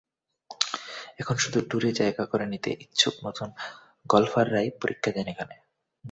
এখন শুধু ট্যুরে জায়গা করে নিতে ইচ্ছুক নতুন গলফাররাই পরীক্ষা দেন এখানে।